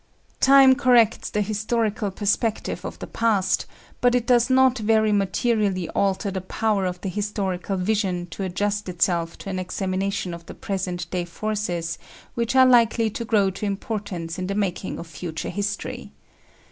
Time corrects the historical perspective of the past, but it does not very materially alter the power of the historical vision to adjust itself to an examination of the present day forces which are likely to grow to importance in the making of future history.